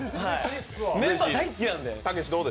メンバー大好きなんで。